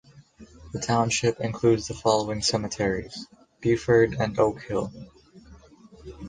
The township includes the following cemeteries: Beauford and Oak Hill.